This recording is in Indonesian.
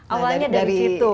awalnya dari situ